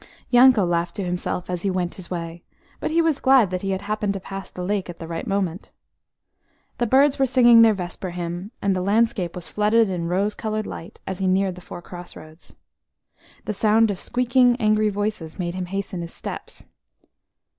Yanko laughed to himself as he went his way, but he was glad that he had happened to pass the lake at the right moment. The birds were singing their vesper hymn, and the landscape was flooded in rose coloured light, as he neared the four crossroads. The sound of squeaking, angry voices made him hasten his steps.